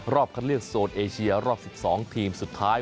คัดเลือกโซนเอเชียรอบ๑๒ทีมสุดท้าย